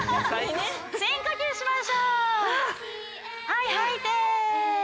はいはいて。